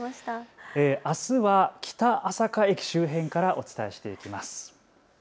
あすは北朝霞駅周辺からお伝えしていきます。